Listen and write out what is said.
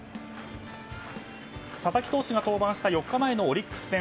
佐々木投手が登板した４日前のオリックス戦。